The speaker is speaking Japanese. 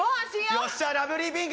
よっしゃラブリーピンク！